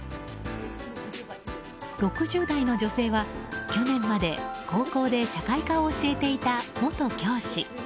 ６０代の女性は、去年まで高校で社会科を教えていた元教師。